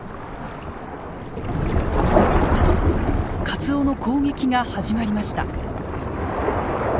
カツオの攻撃が始まりました。